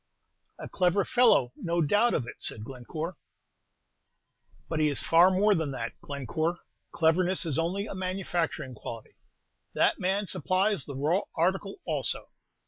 "A clever fellow, no doubt of it," said Glencore. "But he is far more than that, Glencore. Cleverness is only a manufacturing quality, that man supplies the raw article also.